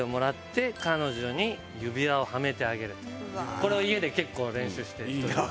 これを家で結構練習して。